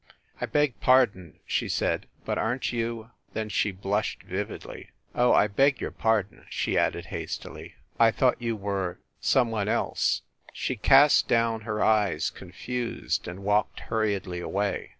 "I beg pardon," she said, "but aren t you " Then she blushed vividly. "Oh, I beg your par don," she added hastily, "I thought you were someone else." She cast down her eyes, confused, and walked hurriedly away.